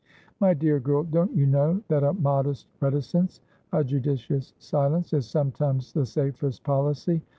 My dear girl, don't you know that a modest reticence, a judicious silence, is sometimes the safest policy.